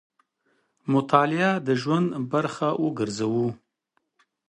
مطالعه د ژوند برخه وګرځوو.